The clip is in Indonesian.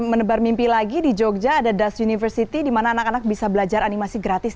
menebar mimpi lagi di jogja ada dash university di mana anak anak bisa belajar animasi gratis